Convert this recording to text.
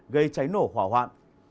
gây cháy nổ hỏa hoạn